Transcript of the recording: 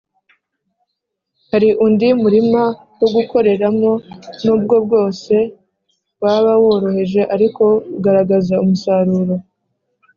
. Hari undi murima wo gukoreramo, n’ubwo bwose waba woroheje, ariko ugaragaza umusaruro